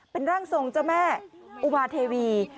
เป็นร่างทรงเจ้าแม่อุมาเทวี